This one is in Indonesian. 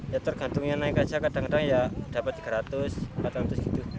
ya tergantung yang naik aja kadang kadang ya dapat tiga ratus empat ratus gitu